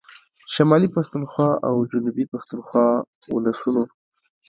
شمالي پښتونخوا او جنوبي پښتونخوا ولسونو